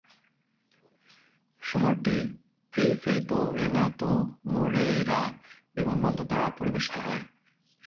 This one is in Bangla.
শহরটি প্রিফেইতো রেনাতো মোরেইরা বিমানবন্দর দ্বারা পরিবেশিত হয়।